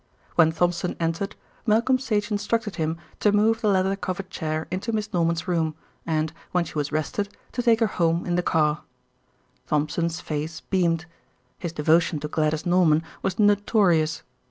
When Thompson entered, Malcolm Sage instructed him to move the leather covered chair into Miss Norman's room and, when she was rested, to take her home in the car. Thompson's face beamed. His devotion to Gladys Norman was notorious.